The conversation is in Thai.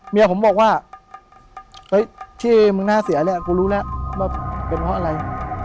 เมียผมบอกว่าชื่อมึงน่าเสียแล้วกูรู้แล้วว่าเป็นเพราะอะไร